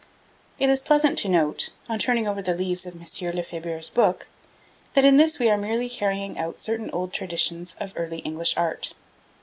It is pleasant to note, on turning over the leaves of M. Lefebure's book, that in this we are merely carrying out certain old traditions of Early English art.